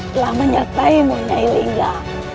telah menyertaimu nyai lingga